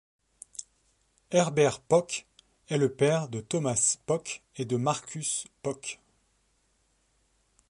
Herbert Pöck est le père de Thomas Pöck et de Markus Pöck.